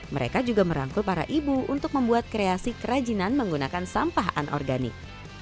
mereka juga merangkul para ibu untuk membuat kreasi kerajinan menggunakan sampah anorganik